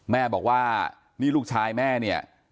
แม่บอกว่านี่ลูกชายแม่เนี่ย